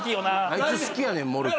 あいつ好きやねんモルック。